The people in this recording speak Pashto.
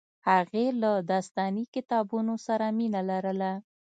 هغې له داستاني کتابونو سره مینه لرله